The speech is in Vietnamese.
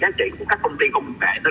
giá trị của các công ty công nghệ